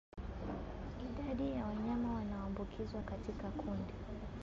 Idadi ya wanyama wanaoambukizwa katika kundi